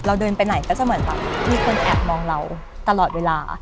เดินไปไหนก็จะเหมือนแบบมีคนแอบมองเราตลอดเวลา